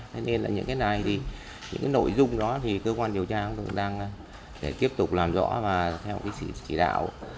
thế nên là những cái này những cái nội dung đó thì cơ quan điều tra cũng đang tiếp tục làm rõ và theo cái chỉ đạo